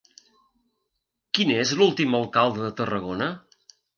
Quin és l'últim alcalde de Tarragona?